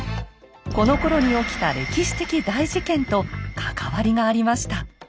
このころに起きた歴史的大事件と関わりがありました。